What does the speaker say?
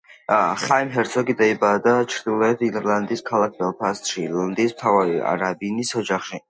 ხაიმ ჰერცოგი დაიბადა ჩრდილოეთ ირლანდიის ქალაქ ბელფასტში ირლანდიის მთავარი რაბინის ოჯახში.